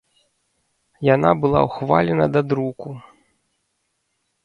Яна была ўхвалена да друку.